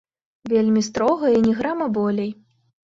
Вельмі строга і ні грама болей.